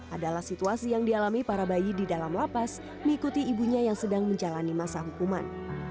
adalah situasi yang dialami para bayi di dalam lapas mengikuti ibunya yang sedang menjalani masa hukuman